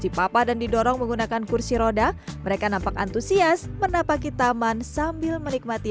dipapa dan didorong menggunakan kursi roda mereka nampak antusias menapaki taman sambil menikmati